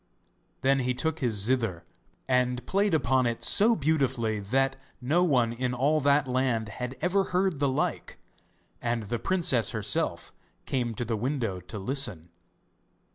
Then he took his zither and played upon it so beautifully that no one in all that land had ever heard the like, and the princess herself came to the window to listen.